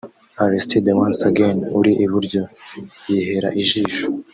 Aristide Once Again [uri iburyo] yihera ijisho